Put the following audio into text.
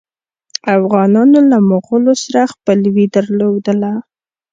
افغانانو له مغولو سره خپلوي درلودله.